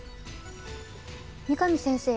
三上先生